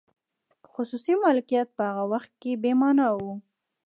خصوصي مالکیت په هغه وخت کې بې مانا و.